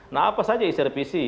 nah apa saja isi revisi